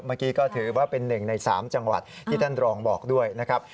เมื่อกี้ก็ถือว่าเป็นหนึ่งใน๓จังหวัดที่ท่านรองบอกด้วยนะครับ